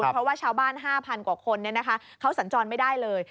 เพราะว่าชาวบ้าน๕๐๐กว่าคนเขาสัญจรไม่ได้เลย